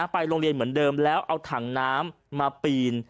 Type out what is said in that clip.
ไปโรงเรียนเหมือนเดิมแล้วเอาถังน้ำมาปีน